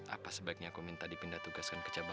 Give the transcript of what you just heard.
apa sebaiknya aku minta dipindah tugaskan ke cabang